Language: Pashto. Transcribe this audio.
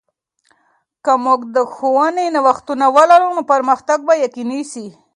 که موږ د ښوونې کې نوښتونه ولرو، نو پرمختګ به یقیني سي.